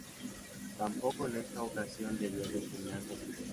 Tampoco en esta ocasión debió de tener descendencia.